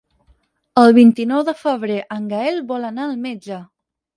El vint-i-nou de febrer en Gaël vol anar al metge.